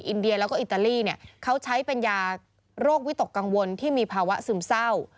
อินเดียแล้วก็อิตาลีเนี่ยเขาใช้เป็นยาโรควิตกกังวลที่มีภาวะซึมเศร้า